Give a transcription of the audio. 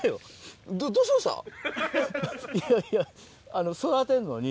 いやいや育てんのに。